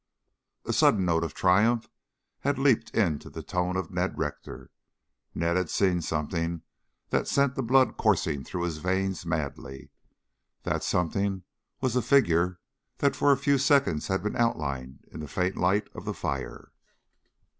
A sudden note of triumph had leaped into the tone of Ned Rector. Ned had seen something that sent the blood coursing through his veins madly. That something was a figure that for a few seconds had been outlined in the faint light of the fire.